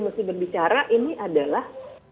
masih berbicara ini adalah